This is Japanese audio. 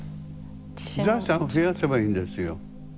財産を増やせばいいんですよ。